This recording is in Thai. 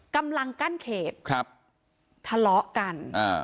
กำลังกั้นเขตครับทะเลาะกันอ่า